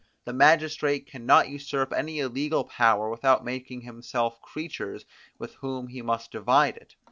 The magistrate can not usurp any illegal power without making himself creatures, with whom he must divide it.